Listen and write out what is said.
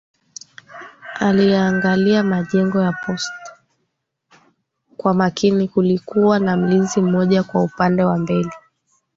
Aliyaangalia majengo ya posta kwa makini kulikuwa na mlinzi mmoja kwa upande wa mbele